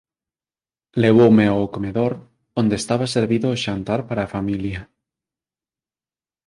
Levoume ao comedor, onde estaba servido o xantar para a familia.